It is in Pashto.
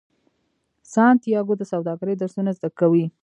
سانتیاګو د سوداګرۍ درسونه زده کوي.